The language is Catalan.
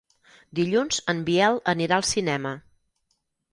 Dilluns en Biel anirà al cinema.